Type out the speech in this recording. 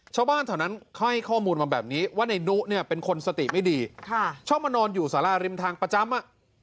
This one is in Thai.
ชาวบ้านแถวนั้นให้ข้อมูลมาแบบนี้ว่าในนุเนี่ยเป็นคนสติไม่ดีชอบมานอนอยู่สาราริมทางประจำอ่ะ